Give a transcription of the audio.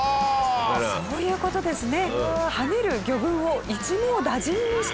そういう事ですね。